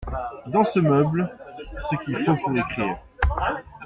Dans ce meuble, ce qu’il faut pour écrire.